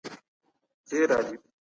څلور څلویښت زره شیعهان ووژل شول.